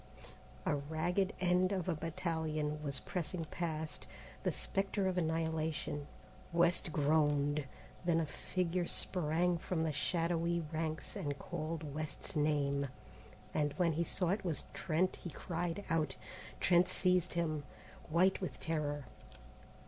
A ragged end of a battalion was pressing past, the spectre of annihilation. West groaned. Then a figure sprang from the shadowy ranks and called West's name, and when he saw it was Trent he cried out. Trent seized him, white with terror.